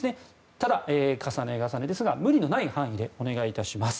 ただ、重ね重ねですが無理のない範囲でお願いいたします。